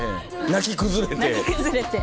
泣き崩れて。